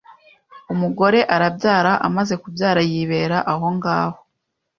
Umugore arabyara Amaze kubyara yibera ahongaho,